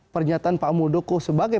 pernyataan pak muldoko sebagai